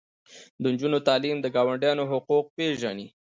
د نجونو تعلیم د ګاونډیانو حقوق پیژني.